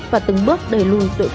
và từng bước đẩy lùi tuyệt vọng